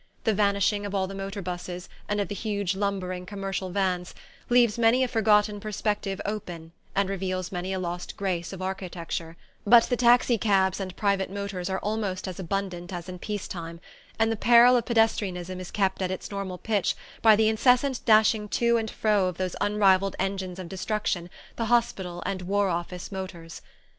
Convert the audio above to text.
The vanishing of all the motorbuses, and of the huge lumbering commercial vans, leaves many a forgotten perspective open and reveals many a lost grace of architecture; but the taxi cabs and private motors are almost as abundant as in peace time, and the peril of pedestrianism is kept at its normal pitch by the incessant dashing to and fro of those unrivalled engines of destruction, the hospital and War Office motors.